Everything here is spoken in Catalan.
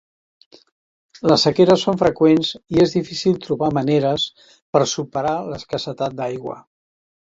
Les sequeres són freqüents i és difícil trobar maneres per superar l'escassetat d'aigua.